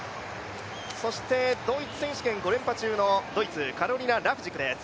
ドイツ選手権５連覇中のドイツ、カロリナ・ラフジクです。